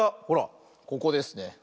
ほらここですね。